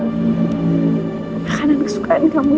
makanan kesukaan kamu ya